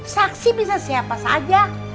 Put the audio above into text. saksi bisa siapa saja